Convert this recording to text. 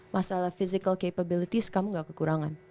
masalah physical capabilities kamu gak kekurangan